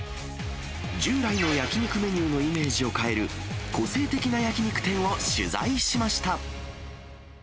従来の焼き肉メニューのイメージを変える、個性的な焼き肉店を取材しました。